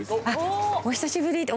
「お久しぶり」って。